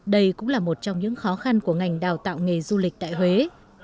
đây cũng là một trong những khó khăn của ngành đào tạo nghề du lịch tại huế